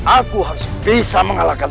aku harus bisa mengalahkan